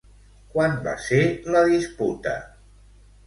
Quan va ser la disputa?